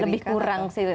lebih kurang sih